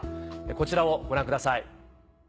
こちらをご覧ください。